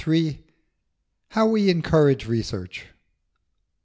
III. HOW WE ENCOURAGE RESEARCH.